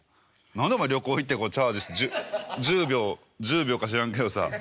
何でお前旅行行ってチャージして１０秒１０秒か知らんけどさ。